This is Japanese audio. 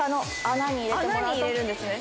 穴に入れるんですね。